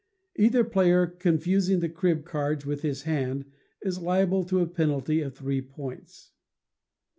Either player confusing the crib cards with his hand, is liable to a penalty of three points.